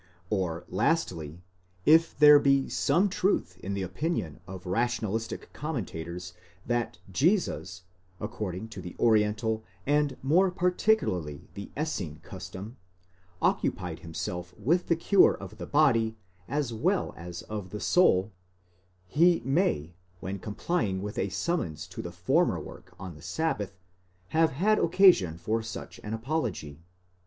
Or lastly, if there be some truth in the opinion of rationalistic commentators that Jesus, according to the oriental and more particularly the Essene custom, occupied himself with the cure of the body as well as of the soul, he may, when com plying with a summons to the former work on the sabbath, have had occasion for such an apology.